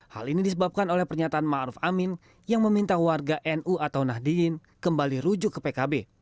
hal ini disebabkan oleh pernyataan ma'ruf amin yang meminta warga nu atau nahdinin kembali rujuk ke pkb